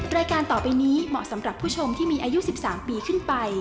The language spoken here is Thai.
รายการต่อไปนี้เหมาะสำหรับผู้ชมที่มีอายุ๑๓ปีขึ้นไป